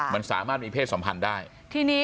มันสามารถมีเพศสัมพันธ์ได้ทีนี้